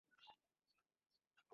আবু সুফিয়ানই তাকে এ সংবাদ জানায়।